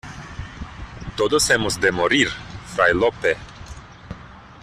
¡ todos hemos de morir, Fray Lope!...